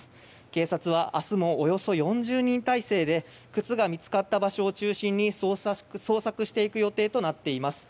警察は明日もおよそ４０人態勢で靴が見つかった場所を中心に捜索していく予定となっています。